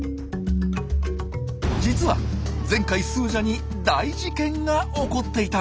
実は前回スージャに大事件が起こっていたんです。